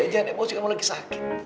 jangan emosi kamu lagi sakit